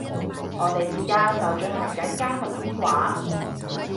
我哋而家就進行緊加密通話